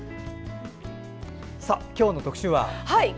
今日の特集は？